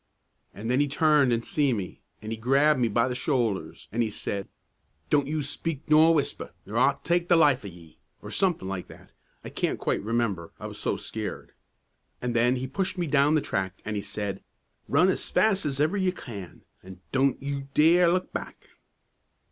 An' then he turned an' see me, an' he grabbed me by the shoulders, an' he said, 'Don't you speak nor whisper, or I'll take the life o' ye,' or somethin' like that; I can't quite remember, I was so scared. An' then he pushed me down the track, an' he said, 'Run as fast as ever you can, an' don't you dare to look back.